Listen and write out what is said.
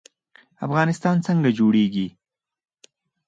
افغانستان څنګه جوړیږي؟